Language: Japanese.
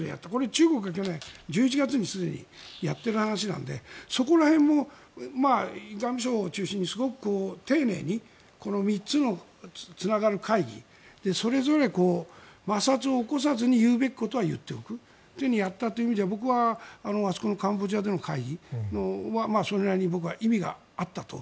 中国は去年１１月にすでにやっている話なのでそこら辺も外務省を中心にすごく丁寧に３つのつながる会議それぞれ摩擦を起こさずに言うべきことは言っておくというふうにやったという意味では僕はあそこのカンボジアでの会議はそれなりに僕は意味があったと。